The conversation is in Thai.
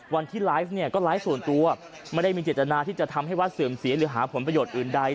วันที่ไลฟ์เนี่ยก็ไลฟ์ส่วนตัวไม่ได้มีเจตนาที่จะทำให้วัดเสื่อมเสียหรือหาผลประโยชน์อื่นใด